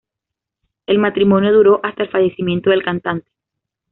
El matrimonio duró hasta el fallecimiento del cantante.